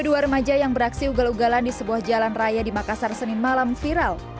ini di luar maja yang beraksi ugal ugalan di sebuah jalan raya di makassar senin malam viral